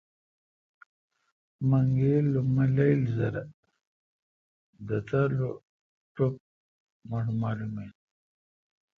منگل کو مہ لییل زرہ۔ دھتر لو ٹپ مٹھ مالوم ان